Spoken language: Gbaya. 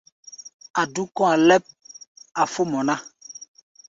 A̧ dúk kɔ̧́-a̧ lɛ́p, a̧ fó mɔ ná.